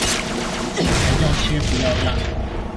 雞排要切不要辣